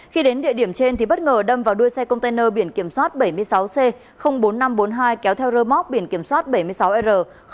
khi đến địa điểm trên thì bất ngờ đâm vào đuôi xe container biển kiểm soát bảy mươi sáu c bốn nghìn năm trăm bốn mươi hai kéo theo rơ móc biển kiểm soát bảy mươi sáu r hai trăm tám mươi chín